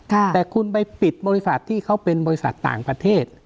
แต่คุณไปปิดบริษัทที่เขาเป็นบริษัทต่างประเทศ